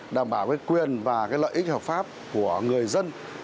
đảm bảo cái quyền và lợi ích hợp pháp của người dân